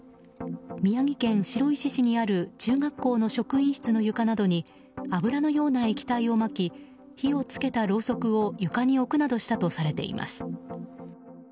宮城県白石市にある中学校の職員室の床などに油のような液体をまき火を付けたろうそくを床に置くなどしたとされています。